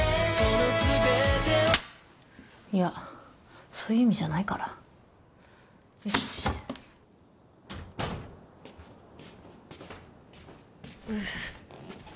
いやそういう意味じゃないからよしうっ